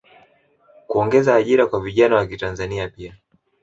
kuongeza ajira kwa vijana wakitanzania pia